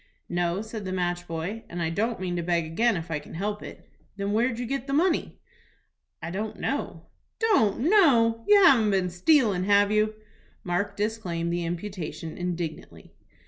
"No," said the match boy, "and I don't mean to beg again if I can help it." "Then where'd you get the money?" "I don't know." "Don't know! You haven't been stealin', have you?" Mark disclaimed the imputation indignantly.